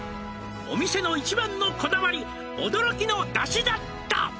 「お店の一番のこだわり」「驚きのだしだった」